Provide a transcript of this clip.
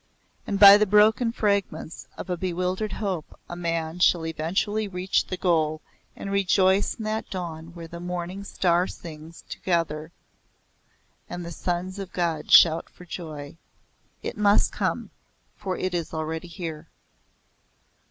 And by the broken fragments of a bewildered hope a man shall eventually reach the goal and rejoice in that dawn where the morning stars sing together and the sons of God shout for joy. It must come, for it is already here.